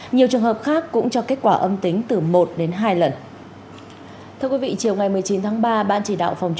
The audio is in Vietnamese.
nhiều trường hợp khác cũng cho kết quả âm tính từ một đến hai lần